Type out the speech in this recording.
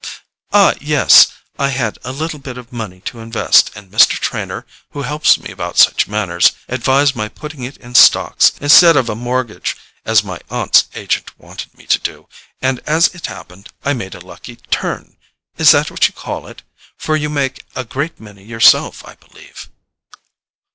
"Ah, yes—I had a little bit of money to invest, and Mr. Trenor, who helps me about such matters, advised my putting it in stocks instead of a mortgage, as my aunt's agent wanted me to do; and as it happened, I made a lucky 'turn'—is that what you call it? For you make a great many yourself, I believe."